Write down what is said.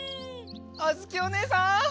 あづきおねえさん！